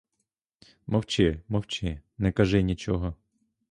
Мовчи, мовчи, не кажи нічого.